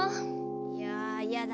いややだ。